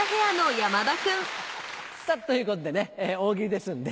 さぁということで大喜利ですんで。